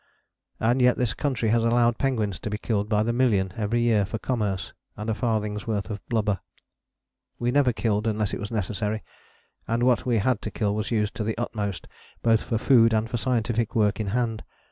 And yet this country has allowed penguins to be killed by the million every year for Commerce and a farthing's worth of blubber. We never killed unless it was necessary, and what we had to kill was used to the utmost both for food and for the scientific work in hand.